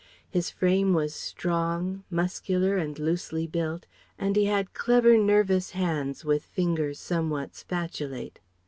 His frame was strong, muscular and loosely built, and he had clever, nervous hands with fingers somewhat spatulate.